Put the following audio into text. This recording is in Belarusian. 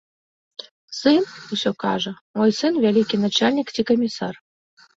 Сын, усё кажа, мой сын вялікі начальнік ці камісар.